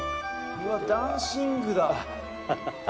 うわっダンシングだ。